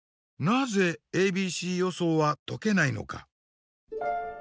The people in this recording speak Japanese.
なぜａｂｃ予想は解けないのか。